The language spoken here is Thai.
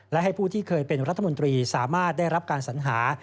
และให้ผู้ที่เคยเป็นรัฐมนตรีสามารถได้รับการสัญหา